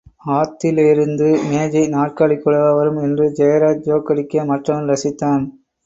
ஆத்திலேருந்து மேஜை–நாற்காலி கூடவா வரும்? என்று ஜெயராஜ் ஜோக் அடிக்க, மற்றவன் ரசித்தான்.